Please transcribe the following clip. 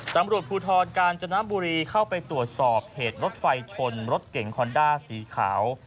ตำรวจภูทรกาญจนบุรีเข้าไปตรวจสอบเหตุรถไฟชนรถเก่งคอนด้าสีขาว